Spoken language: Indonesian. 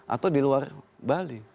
atau di luar bali